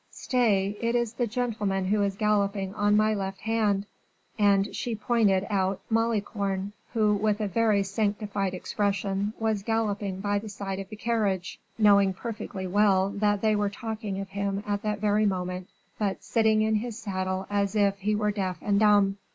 "Stay, it is the gentleman who is galloping on my left hand;" and she pointed out Malicorne, who, with a very sanctified expression, was galloping by the side of the carriage, knowing perfectly well that they were talking of him at that very moment, but sitting in his saddle as if he were deaf and dumb.